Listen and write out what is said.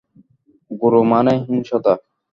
গুরু মানে হিংস্রতা!